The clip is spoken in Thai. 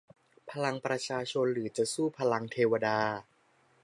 พลังประชาชนหรือจะสู้พลังเทวดา